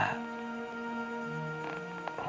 aku sampai merasa